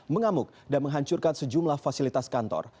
mengamuk dan menghancurkan sejumlah fasilitas kantor